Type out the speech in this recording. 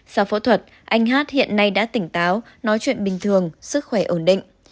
sau phẫu thuật anh hát hiện nay đã tỉnh táo nói chuyện bình thường sức khỏe ổn định